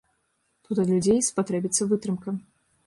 Тут ад людзей спатрэбіцца вытрымка.